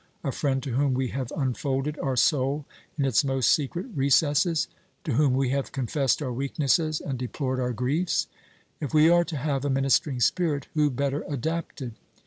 a friend to whom we have unfolded our soul in its most secret recesses? to whom we have confessed our weaknesses and deplored our griefs? If we are to have a ministering spirit, who better adapted?